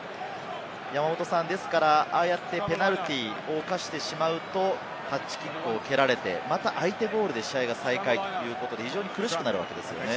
ですから、ああやってペナルティーを犯してしまうとタッチキックを蹴られて、また相手ボールで試合が再開ということで非常に苦しくなるわけですね。